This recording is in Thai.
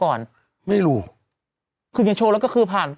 กล้วยทอด๒๐๓๐บาท